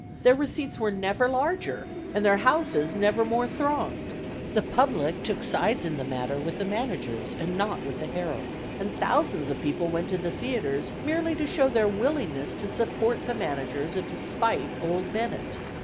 Their receipts were never larger, and their houses, never more thronged. The public took sides in the matter with the managers and against the Herald, and thousands of people went to the theatres merely to show their willingness to support the managers and to spite "Old Bennett."